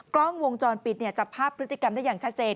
กล้องวงจรปิดจับภาพพฤติกรรมได้อย่างชัดเจน